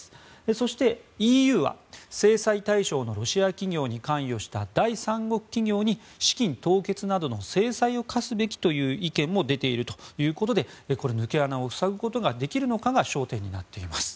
そして、ＥＵは制裁対象のロシア企業に関与した第三国企業に資金凍結などの制裁を科すべきという意見も出ているということで抜け穴を塞ぐことができるのかが焦点になっています。